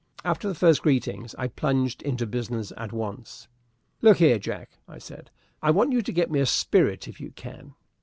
After the first greetings, I plunged into business at once. "Look here, Jack," I said, "I want you to get me a spirit, if you can."